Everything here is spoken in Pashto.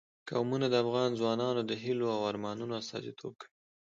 قومونه د افغان ځوانانو د هیلو او ارمانونو استازیتوب کوي.